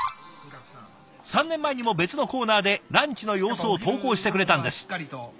３年前にも別のコーナーでランチの様子を投稿してくれたんです。